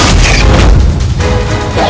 jangan lupa untuk berlangganan